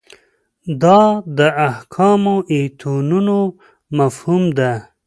دا د احکامو ایتونو مفهوم ده.